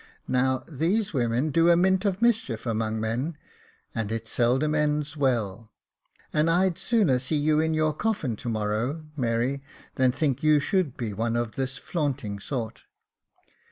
] Now these women do a mint of mischief among men, and it seldom ends well ; and I'd sooner see you in your coffin to morrow, Mary, than think you should be one of this flaunting sort.